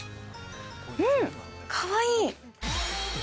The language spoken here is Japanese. うん、かわいい。